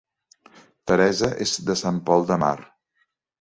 Teresa és de Sant Pol de Mar